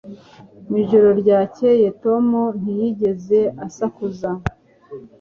Mu ijoro ryakeye Tom ntiyigeze asakuza